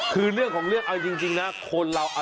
คือเรื่องของเรื่องเอาจริงนะคนเรา